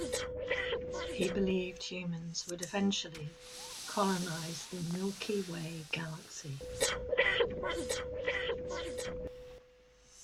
He believed humans would eventually colonize the Milky Way galaxy.